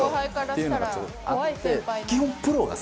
ていうのがあって基本。